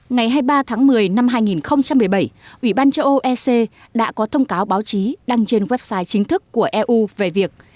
ngày hai mươi ba tháng một mươi năm hai nghìn một mươi bảy ủy ban châu âu ec đã có thông cáo báo chí đăng trên website chính thức của eu về việc